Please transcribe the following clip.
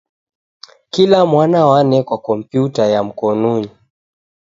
Kila mwana wanekwa kompiuta ya mkonunyi.